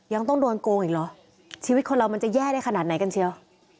ยังต้องโดนโกงอีกเหรอชีวิตคนเรามันจะแย่ได้ขนาดไหนกันเชียว